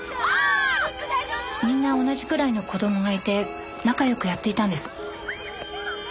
みんな同じくらいの子供がいて仲良くやっていたんです。